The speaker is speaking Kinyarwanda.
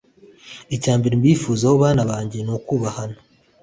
icya mbere mbifuzaho bana bange ni ukubahana